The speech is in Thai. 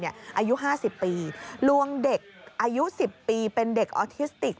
อายุ๕๐ปีลวงเด็กอายุ๑๐ปีเป็นเด็กออทิสติก